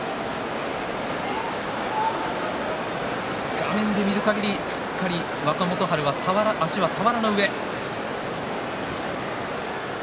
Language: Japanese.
画面で見るかぎりしっかり若元春は足は俵の上。